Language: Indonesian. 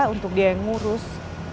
untuk dia yang ngurus